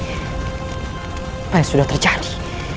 apa yang sudah terjadi